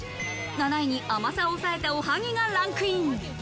７位に甘さを抑えたおはぎがランクイン。